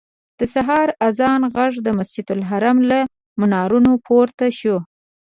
د سهار اذان غږ د مسجدالحرام له منارونو پورته شو.